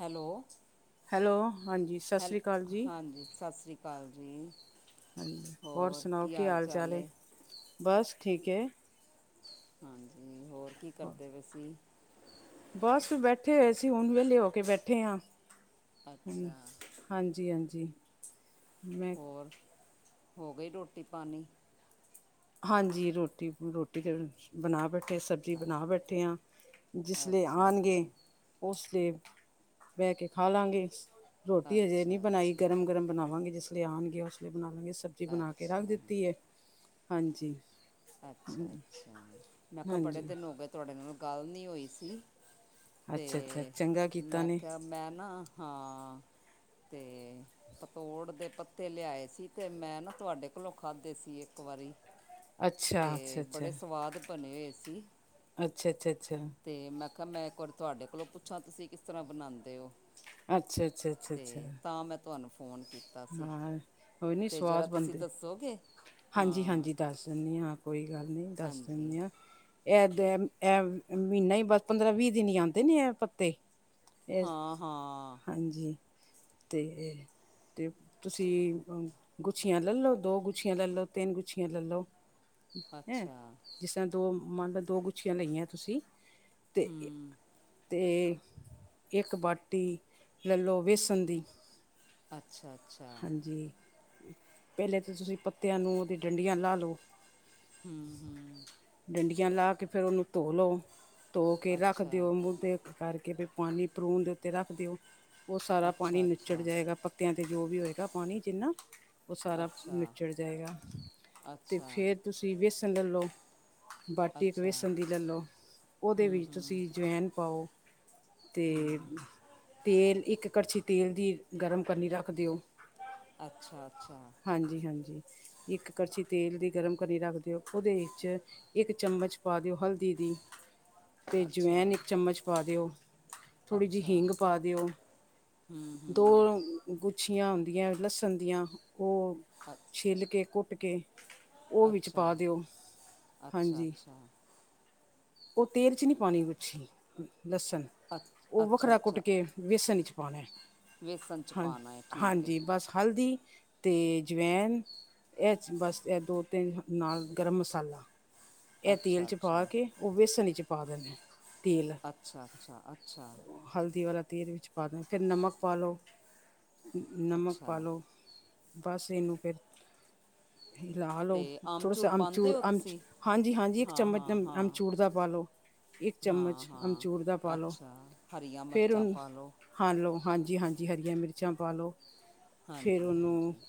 Hello hello ਹਾਂਜੀ ਸਤਿ ਹੈਲ ਸ਼੍ਰੀ ਅਕਾਲ ਜੀ ਹਾਂਜੀ ਸਤਿ ਸ਼੍ਰੀ ਅਕਾਲ ਜੀ ਹੋਰ ਸੁਣਾਓ ਕੀ ਹਾਲ-ਚਾਲ ਹੈ? ਬਸ ਠੀਕ ਹੈ। ਹਾਂਜੀ, ਹੋਰ ਕੀ ਕਰਦੇ ਵਸੀਂ? ਬਸ ਬੈਠੇ ਹੋਏ ਸੀ, ਹੁਣ ਵੇਲੇ ਹੋ ਕੇ ਬੈਠੇ ਹਾਂ। ਅੱਛਾ ਹਾਂਜੀ ਹਾਂਜੀ ਮੈਂ ਹੋਰ ਹੋ ਗਈ ਰੋਟੀ ਪਾਣੀ? ਹਾਂਜੀ ਰੋਟੀ ਰੋਟੀ ਤੇ ਬਣਾ ਬੈਠੇ ਸ ਰੀ ਬਣਾ ਬੈਠੇ ਹਾਂ। ਜਿਸ ਲੇ ਅੱਛਾ ਅੱਛਾ ਆਉਣਗੇ, ਅੱਛਾ ਉਸਦੇ, ਬਹਿ ਕੇ ਖਾ ਲਵਾਂਗੇ। ਰੋਟੀ ਅਜੇ ਨਹੀਂ ਬਣਾਈ, ਅੱਛਾ ਗਰਮ-ਗਰਮ ਬਣਾਵਾਂਗੇ ਜਿਸ ਲਈਲੇ ਆਉਣਗੇ ਉਸ ਲਈ ਬਣਾ ਲਵਾਂਗੇ ਸ। ੀ ਬਣਾ ਕੇ ਰੱਖ ਅੱਛਾ ਦਿੱਤੀ ਹੈ, ਹਾਂਜੀ। ਅੱਛਾ ਅੱਛਾ, ਮੈਂ ਕਿਹਾ, ਬੜੇ ਹਾਂਜੀ ਦਿਨ ਹੋ ਗਏ ਤੁਹਾਡੇ ਨਾਲ ਗੱਲ ਨਹੀਂ ਹੋਈ ਸੀ। ਅੱਛਾ ਅੱਛਾ ਤੇ, ਚੰਗਾ ਕੀਤਾ ਮੈਂ ਨੇ ਕਿਹਾਿਆ ਮੈਂ ਨਾਹਾਂ ਤੇ ਪਤੋੜ ਦੇ ਪੱਤੇ ਲਿਆਏ ਸੀ ਤੇ ਮੈਂ ਨਾ, ਤੁਹਾਡੇ ਕੋਲੋਂ ਖਾਧੇ ਸੀ ਇੱਕ ਵਾਰੀ। ਅੱਛਾ, ਅੱਛਾ, ਤੇ ਬੜੇ ਅੱਛਾ, ਸਵਾਦ ਬਣੇ ਹੋਏ ਸੀ। ਅੱਛਾ, ਅੱਛਾ, ਅੱਛਾ। ਤੇ ਮੈਂ ਕਿਹਾ, ਮੈਂ ਇੱਕ ਵਾਰੀ ਤੁਹਾਡੇ ਕੋਲੋਂ ਪੁੱਛਾਂ, ਤੁਸੀਂ ਕਿਸ ਤਰ੍ਹਾਂ ਬਣਾਉਂਦੇ ਹੋ? ਅੱਛਾ, ਅੱਛਾ, ਅੱਛਾ, ਅੱਛਾ ਤੇ ਤਾਂ ਮੈਂ ਤੁਹਾਨੂੰ ਫੋਨ ਕੀਤਾ ਸੀ ਹਾਂ, ਉਹ ਨੀ ਤੇ ਜਰਾ ਸਵਾਦ ਤੁਸੀਂ ਬਣਦੇ। ਦੱਸੋਗੇ ਹਾਂ ਹਾਂਜੀ-ਹਾਂਜੀ, ਦੱਸ ਦਿੰਦੀ ਹਾਂ। ਕੋਈ ਗੱਲ ਨਹੀਂ, ਦੱਸ ਹਾਂਜੀ ਦਿੰਦੇ ਹਾਂ। ਅਅ ਅਮ ਇਹ ਮਹੀਨਾ ਹੀ, ਬਸ ਪੰਦਰਾਂ-ਵੀਹ ਦਿਨ ਹੀ ਆਉਂਦੇ ਨੇ ਇਹ ਪੱਤੇ। ਇਹ ਹਾਂ ਹਾਂ। ਹਾਂਜੀ। ਤੇ ਤੇ ਤੁਸੀਂ ਗੁੱਛੀਆਂ ਲੈ ਲਓ ਦੋ ਗੁੱਛੀਆਂ ਲੈ ਲਓ, ਤਿੰਨ ਗੁੱਛੀਆਂ ਲੈ ਲਓ। ਹੈਂ! ਅੱਛਾ ਜਿਸਰ, ਦੋ ਮੰਨ ਲਓ ਦੋ ਗੁੱਛੀਆਂ ਲਈਆਂ ਤੁਸੀਂ। ਅਤੇ, ਹੂੰ ਅਤੇ ਇੱਕ ਬਾਟੀ ਲੈ ਲਓ ਬੇਸਣ ਦੀ। ਅੱਛਾ-ਅੱਛਾ। ਜੀ। ਪਹਿਲੇ ਤਾਂ ਤੁਸੀਂ ਪੱਤਿਆਂ ਨੂੰ ਉਹਦੀ ਡੰਡੀਆਂ ਲਾ ਲਓ। ਹਮ ਹਮ ਡੰਡੀਆਂ ਲਾ ਕੇ ਫ਼ਿਰ ਉਹਨੂੰ ਧੋ ਲਓ ਧੋ ਕੇ ਰੱਖ ਅੱਛਾ ਦਿਓ ਮੂੰਹ ਤੇ ਕਰਕੇ ਪਾਣੀ ਭਰੂਣ ਦੇ ਉੱਤੇ ਰੱਖ ਦਿਓ ਉਹ ਸਾਰਾ ਪਾਣੀ ਅੱਛਾ ਨੱਚੜ ਅੱਛਾ ਜਾਏਗਾ ਪ ਕੁੱਤਿਆਂ ਤੇ ਜੋ ਵੀ ਹੋਏਗਾ ਪਾਣੀ ਜਿੰਨਾ ਉਹ ਸਾਰਾ ਅੱਛਾ ਨੱਚੜ ਜਾਏਗਾ ਅਤੇ ਅੱਛਾ ਫਿਰ ਤੁਸੀਂ ਬੇਸਣ ਲੈ ਲਓ ਬਾਟੀ ਇੱਕ ਅੱਛਾ ਬੇਸਣ ਦੀ ਲੈ ਲਓ ਉਹਦੇ ਹੂੰ ਵਿੱਚ ਹੂੰ ਤੁਸੀਂ ਜਵਾਇਨ ਪਾਓ ਤੇ ਹੂੰ ਤੇਲ ਇੱਕ ਕੜਛੀ ਤੇਲ ਦੀ ਗਰਮ ਕਰਨੀ ਰੱਖ ਦਿਉ। ਅੱਛਾ ਅੱਛਾ ਹਾਂਜੀ ਹਾਂਜੀ ਇੱਕ ਕੜਛੀ ਤੇਲ ਦੀ ਗਰਮ ਕਰਨੀ ਰੱਖ ਦਿਓ ਉਹਦੇ ਵਿੱਚ ਇੱਕ ਚਮਚ ਪਾ ਦਿਓ ਹਲਦੀ ਦੀ ਤੇ ਜਵਾੈਨ ਅੱਛਾ ਇੱਕ ਚਮਚ ਪਾ ਦਿਓ ਥੋੜ੍ਹੀ ਜਿਹੀ ਅੱਛਾ ਹਿੰਗ ਪਾ ਦਿਓ ਹੂੰ ਦੋ ਹੂੰ ਗੁੱਛੀਆਂ ਹੁੰਦੀਆਂ ਲੱਸਣ ਦੀਆ ਹੱ ਛਿੱਲ ਕੇ ਘੁੱਟ ਕੇ ਉਹ ਵਿੱਚ ਅੱਛਾ ਪਾ ਦਿਓ ਅੱਛਾ ਹਾਂਜੀ। ਅੱਛਾ ਓਹ ਤੇਲ 'ਚ ਨਹੀਂ, ਪਾਣੀ ਗੁੱਛੀ। ਲਸਣ, ਅੱ ਉਹ ਅੱਛਾ ਵੱਖਰਾ ਕੁੱਟ ਅੱਛਾ ਕੇ ਵੇਸਣ ਚ' ਪਾਉਣਾ ਹੈ। ਵੇਸਣ 'ਚ ਪਾਉਣਾ ਹੈ ਠੀਕ ਹੈ ਹਾਂ-ਹਾਂਜੀ, ਬਸ ਹਲਦੀ। ਤੇ ਜਵਾੈਨ ਇਹ 'ਚ ਬਸ ਇਹ ਦੋ-ਤਿੰਨ ਨਾਲ ਗਰਮ ਮਸਾਲਾ। ਇਹ ਤੇਲ ਅੱਛਾ 'ਚ ਪਾ ਅੱਛਾ ਕੇ, ਉਹ ਬੇਸਣ ਹੀ 'ਚ ਪਾ ਦੇਣਾ ਤੇਲ। ਅੱਛਾ, ਅੱਛਾ, ਅੱਛਾ। ਹਲਦੀ ਵਾਲਾ ਤੇਲ ਵਿੱਚ ਪਾ ਦੇਣਾ ਫਿਰ ਨਮਕ ਪਾ ਲਉ, ਨਮਕ ਪਾ ਅੱਛਾ ਲਉ। ਬਸੇ ਨੂੰ ਫ਼ਿਰ ਲਾ ਲਓ ਅਤੇ ਆਮਚੂਰ ਥੋੜਾ ਪਾਉਂਦੇ ਅਮਚੂਰ ਹੋ ਤੁਸੀਂ ਹਾਂਜੀ ਹਾਂਜੀ ਇੱਕ ਹਾਂ ਹਾਂ ਚਮਚ ਹਾਂ ਆਮਚੂੂਰ ਦਾ ਪਾ ਲਓ ਇੱਕ ਹਾਂ ਚਮਚ ਅਮਚੂੂਰ ਦਾ ਹਾਂ ਪਾ ਲੋ ਅੱਛਾ ਹਰੀਆਂ ਫਿਰ ਮਿਰਚਾਂ ਉਹਨੂੰ ਪਾ ਲਓ ਹਾਂ ਲਓ ਹਾਂਜੀ ਹਾਂਜੀ ਹਰੀਆਂ ਮਿਰਚਾਂ ਪਾ ਲਓ ਫਿਰ ਹਾਂਜੀ ਉਹਨੂੰ ਹਾਂਜੀ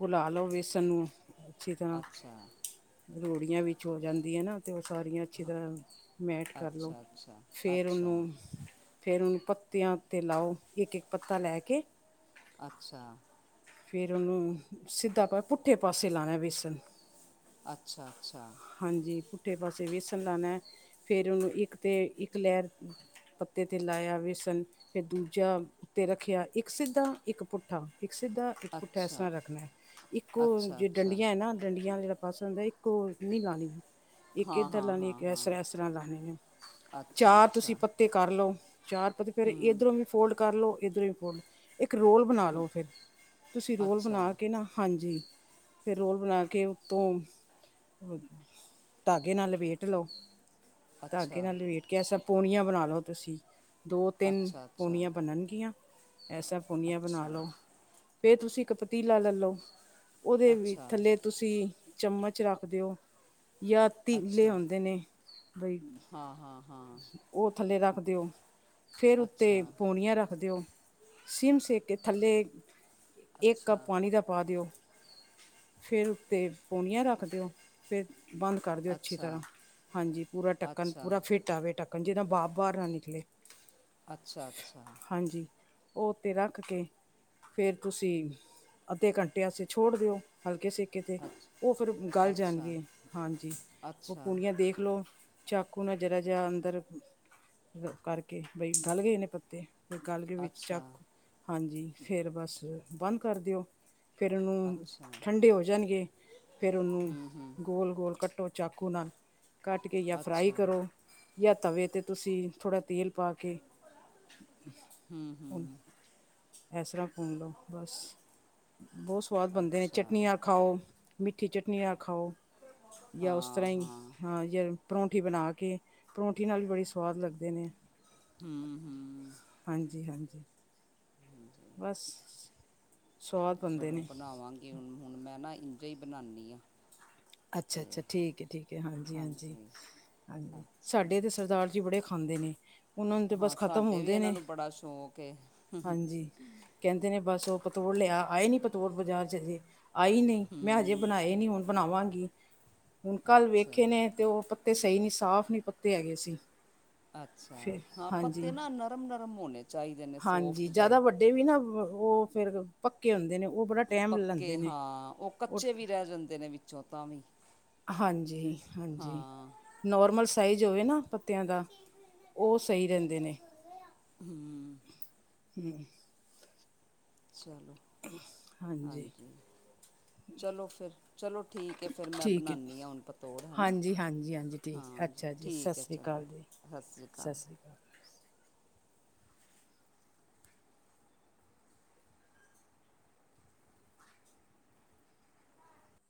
ਘੁਲਾ ਲਓ ਵੇਸਣ ਨੂੰ ਅੱਛੀ ਤਰ੍ਹਾਂ ਅੱਛਾ ਲੋਹੜੀਆਂ ਵਿੱਚ ਹੋ ਜਾਂਦੀਆਂ ਨਾ ਤੇ ਉਹ ਸਾਰੀਆਂ ਅੱਛੀ ਤਰ੍ਹਾਂ ਮੈਟ ਕਰ ਲਓ ਅੱਛਾ ਅੱਛਾ ਫਿਰ ਅੱਛਾ ਉਹਨੂੰ ਫੇਰ ਉਹਨੂੰ ਪੱਤਿਆਂ ਤੇ ਲਾਓ ਇੱਕ ਇੱਕ ਪੱਤਾ ਲੈ ਕੇ ਅੱਛਾ ਫਿਰ ਉਹਨੂੰ ਸਿੱਧਾ ਭਵੇ ਪੁੱਠੇ ਪਾਸੇ ਲਾਉਣੇ ਬੇਸਣ ਅੱਛਾ ਅੱਛਾ ਹਾਂਜੀ ਪੁੱਠੇ ਪਾਸੇ ਵੀ ਵੇਸਣ ਨਾਲ ਫੇਰ ਉਹਨੂੰ ਇੱਕ ਤੇ ਇੱਕ ਲਹਿਰ ਪੱਤੇ ਤੇ ਲਾਇਆ ਹੋਏ ਵੇਸਣ ਫਿਰ ਦੂਜਾ ਉੱਤੇ ਰੱਖਿਆ ਇੱਕ ਸਿੱਧਾ ਇੱਕ ਪੁੱਠਾ ਇੱਕ ਸਿੱਧਾ ਇੱਕ ਪੁੱਠਾ ਇਸ ਅੱਛਾ ਤਰ੍ਹਾਂ ਰੱਖਣਾ ਇੱਕੋ ਅੱਛਾ ਜੇ ਅੱਛਾ ਡੰਡੀਆਂ ਹੈ ਨਾ ਡੰਡੀਆਂ ਜਿਹੜਾ ਪਾਸੇ ਹੁੰਦਾ ਇੱਕੋ ਨੀ ਲਾਉਣੀ ਆ ਇੱਕ ਹਾਂ ਇੱਧਰ ਹਾਂ ਲਾਉਣੀ ਹਾਂ ਇੱਕ ਇਸ ਤਰ੍ਹਾਂ ਇਸ ਹਾਂ ਤਰ੍ਹਾਂ ਲਾਣੇ ਨੇ ਅੱਛਾ ਚਾਰ ਤੁਸੀਂ ਅੱਛਾ ਪੱਤੇ ਕਰ ਲਓ ਚਾਰ ਪੱਤੇ ਫ਼ਿਰ ਹੂੰ ਇਧਰੋਂ ਵੀ ਫੋਲਡ। ਕਰ ਲਓ ਇੱਧਰੋਂ ਵੀ ਫੋਲਡ ਬਣਾ ਲਓ ਫਿਰ ਤੁਸੀਂ ਰੋਲ ਬਣਾ ਅੱਛਾ ਕੇ ਨਾ ਹਾਂਜੀ ਫਿਰ ਰੋਲ ਬਣਾ ਕੇ ਉੱਤੋਂ ਧਾਗੇ ਨਾਲ ਲਵੇਟ ਲਓ ਅੱਛਾ ਧਾਗੇ ਨਾਲ ਲਵੇਟ ਕੈਸਾ ਪੂਣੀਆਂ ਬਣਾ ਲਉ ਤੁਸੀਂ ਦੋ ਤਿੰਨ ਅੱਛਾ ਅੱਛਾ ਪੂਣੀਆਂ ਬਣਨਗੀਆਂ ਐਸਾ ਪੂਨੀਆਂ ਬਣਾ ਅੱਛਾ ਲਉ ਫਿਰ ਤੁਸੀਂ ਇੱਕ ਪਤੀਲਾ ਲੈ ਲਓ ਉਹਦੇ ਅੱਛਾ ਥੱਲੇ ਤੁਸੀਂ ਚਮਚ ਰੱਖਦੇ ਹੋ ਜਾਂ ਤੀਲੇ ਅੱਛਾ ਆਉਂਦੇ ਨੇ ਬਈ ਹਾਂ ਹਾਂ ਹਾਂ ਉਹ ਥੱਲੇ ਰੱਖ ਦਿਓ ਫਿਰ ਉੱਤੇ ਅੱਛਾ ਪੌਣੀਆਂ ਰੱਖ ਦਿਓ ਸਿਮ ਸੇਕੇ ਥੱਲੇ ਇੱਕ ਅੱਛਾ ਕੱਪ ਪਾਣੀ ਦਾ ਪਾ ਦਿਓ ਫਿਰ ਉੱਤੇ ਪੌਣੀਆਂ ਰੱਖ ਦਿਓ ਫਿਰ ਬੰਦ ਕਰ ਦਿਓ ਅੱਛੀ ਅੱਛਾ ਤਰ੍ਹਾਂ ਹਾਂਜੀ ਪੂਰਾ ਢੱਕਣ ਅੱਛਾ ਪੂਰਾ ਫਿੱਟ ਆਵੇ ਢੱਕਣ ਚੋਂ ਭਾਫ ਬਾਹਰ ਨਾ ਨਿਕਲੇ ਅੱਛਾ ਅੱਛਾ ਹਾਂਜੀ ਉਹ ਉ ਤੇ ਰੱਖ ਕੇ ਫੇਰ ਤੁਸੀਂ ਅੱਧੇ ਘੰਟੇ ਵਾਸਤੇ ਛੋੜ ਦਿਓ ਹਲਕੇ ਸੇਕੇ ਤੇ ਅੱਛ- ਉਹ ਫਿਰ ਗੱਲ ਅੱਛਾ ਜਾਣਗੇ ਹਾਂਜੀ ਉਹ ਅੱਛਾ ਪੂਂਡੀਆਂ ਦੇਖ ਲਓ ਚਾਕੂ ਨਾ ਜਿਰਾ ਜਿਹਾ ਅੰਦਰ ਕਰਕੇ ਬਈ ਗਲ ਗਏ ਨੇ ਪੱਤੇ ਤੇ ਗੱਲ ਕੇ ਵਿੱਚ ਅੱਛਾ ਚੱਕ ਹਾਂਜੀ ਫੇਿਰ ਬਸ ਬੰਦ ਕਰ ਦਿਓ ਫਿਰ ਉਹਨੂੰ ਅੱਛਾ ਠੰਡੇ ਹੋ ਜਾਣਗੇ ਫਿਰ ਉਹਨੂੰ ਹੂੰ ਹੂੰ ਗੋਲ ਗੋਲ ਕੱਟੋ ਚਾਕੂ ਨਾਲ ਕੱਟ ਕੇ ਜਾਂ ਫਰਾਈ ਅੱਛਾ ਕਰੋ ਜਾਂ ਤਵੇ ਤੇ ਤੁਸੀਂ ਥੋੜ੍ਹਾ ਤੇਲ ਪਾ ਕੇ ਹਮ-ਹਮ ਇਸ ਤਰ੍ਹਾਂ ਭੁਣ ਲਓ ਬਸ ਬਹੁਤ ਸਵਾਦ ਬਣਦੇ ਨੇ ਅੱਛਾ ਚਟਨੀ ਨਾ ਖਾਓ ਮਿੱਠੀ ਚਟਨੀ ਨਾ ਖਾਓ ਜਾਂ ਉਸ ਤਰ੍ਹਾਂ ਹੀ ਹਾਂ ਜਿ ਪਰੌਂਠੀ ਬਣਾ ਕੇ ਪਰੌਂਠੀ ਨਾਲ ਵੀ ਬੜੇ ਸਵਾਦ ਲੱਗਦੇ ਨੇ ਹਮ ਹਮ ਹਾਂਜੀ ਹਾਂਜੀ ਹਾਂਜੀ ਬਸ ਸਵਾਦ ਬਣਦੇ ਚਲੋ ਨੇ। ਬਣਾਵਾਂਗੇ ਹੁਣ ਹੁਣ ਮੈਂ ਨਾ ਇੰਝੇ ਹੀ ਬਣਾਉਦੀ ਹਾਂ ਅਤੇ ਅੱਛਾ-ਅੱਛਾ ਠੀਕ ਹੈ ਠੀਕ ਹੈ ਹਾਂਜੀ-ਹਾਂਜੀ ਹਾਂਜੀ ਹਾਂਜੀ ਅੱਛਾ ਸਾਡੇ ਤਾਂ ਸਰਦਾਰ ਜੀ ਬੜੇ ਖਾਂਦੇ ਨੇ ਉਹਨਾਂ ਨੂੰ ਤਾਂ ਹਾਂ ਬਸ ਖਤਮ ਸਾਡੇ ਵੀ ਹੁੰਦੇ ਇਹਨਾਂ ਨੇ ਨੂੰ ਬੜਾ ਸ਼ੌਕ ਹੈ ਹਾਂਜੀ ਕਹਿੰਦੇ ਨੇ ਬਸ ਉਹ ਪਤੋੜ ਲਿਆ ਆਏ ਨੀ ਪਤੋੜ ਬਾਜ਼ਾਰ ਚ ਅਜੇ ਆਈ ਨਹੀਂ ਮੈਂ ਹੂੰ ਹਜੇ ਬਣਾਏ ਨਹੀਂ ਹੁਣ ਬਣਾਵਾਂਗੀ ਹੁਣ ਕੱਲ੍ਹ ਅੱਛਾ ਵੇਖੇ ਨੇ ਤੇ ਉਹ ਤੇ ਸਹੀ ਨ ਸਾਫ਼ ਨੀ ਪੱਤੇ ਹੈਗੇ ਸੀ ਅੱਛਾ ਫਿਰ ਹਾਂ ਪੱਤੇ ਹਾਂਜੀ। ਨਾ ਨਰਮ-ਨਰਮ ਹੋਣੇ ਚਾਹੀਦੇ ਨੇ ਹਾਂਜੀ ਸੋਫਟ ਜਿਹੇ ਜਿਆਦਾ ਵੱਡੇ ਵੀ ਨਾ ਉਹ ਫੇਿਰ ਪੱਕੇ ਹੁੰਦੇ ਨੇ ਉਹ ਬੜਾ ਟਾਈਮ ਲੈਂਦੇ ਪੱਕੇ ਨੇ। ਹਾਂ ਉਹ ਕੱਚੇ ਵੀ ਰਹਿ ਜਾਂਦੇ ਨੇ ਵਿੱਚੋਂ ਤਾਂ ਵੀ ਹਾਂਜੀ-ਹਾਂਜੀ ਹਾਂ ਨੋਰਮਲ ਸਾਈਜ਼ ਹੋਵੇ ਨਾ ਪੱਤਿਆਂ ਦਾ ਉਹ ਸਹੀ ਰਹਿੰਦੇ ਨੇ ਹਮ ਹਮ ਚਲੋ ਹਾਂਜੀ ਚਲੋ ਫਿਰ ਚਲੋ ਠੀਕ ਹੈ ਫਿਰ ਮੈਂ ਬਣਾਉਂਦੀ ਹਾਂ ਹੁਣ ਪਤੋੜ ਹੈ ਨਾ ਹਾਂਜੀ-ਹਾਂਜੀ ਹਾਂਜੀ ਠੀਕ ਹੈ ਚਲੋ ਸਤਿ ਸ਼੍ਰੀ ਅਕਾਲ